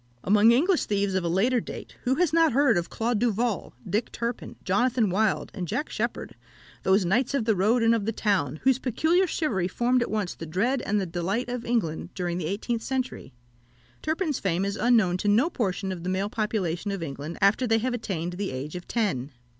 Among English thieves of a later date, who has not heard of Claude Duval, Dick Turpin, Jonathan Wild, and Jack Sheppard, those knights of the road and of the town, whose peculiar chivalry formed at once the dread and the delight of England during the eighteenth century? Turpin's fame is unknown to no portion of the male population of England after they have attained the age of ten.